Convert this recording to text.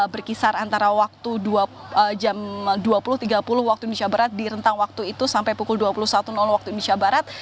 berkisar antara waktu jam dua puluh tiga puluh waktu indonesia barat di rentang waktu itu sampai pukul dua puluh satu waktu indonesia barat